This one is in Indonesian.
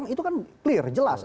itu kan clear jelas